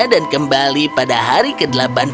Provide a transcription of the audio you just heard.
dan kembali pada hari ke delapan puluh